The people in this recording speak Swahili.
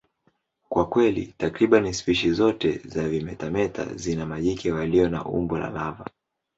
Kwa kweli, takriban spishi zote za vimetameta zina majike walio na umbo la lava.